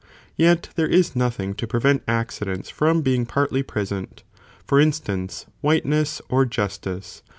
Yet there is nothing to prevent accidents from being partly present, for instance, whiteness or justice